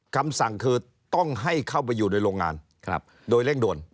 คำสั่งคือต้องให้เข้าไปอยู่ในโรงงานโดยเร่งด่วน